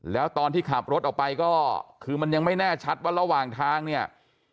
แล้วตอนที่ขับรถออกไปก็คือมันยังไม่แน่ชัดว่าระหว่างทางเนี่ย